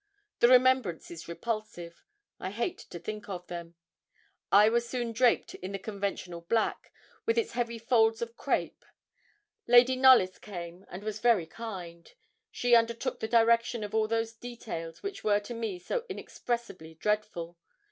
The remembrance is repulsive. I hate to think of them. I was soon draped in the conventional black, with its heavy folds of crape. Lady Knollys came, and was very kind. She undertook the direction of all those details which were to me so inexpressibly dreadful.